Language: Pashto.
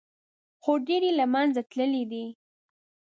خو ډېر یې له منځه تللي دي.